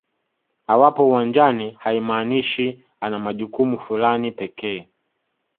Awapo uwanjani haimaanishi ana majukumu fulani pekee